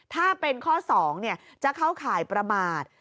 ถ้าเป็นข้อ๒จะเข้าข่ายประมาท